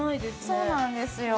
そうなんですよ